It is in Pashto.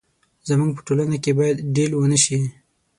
زموږ په ټولنه کې باید ډيل ونه شي.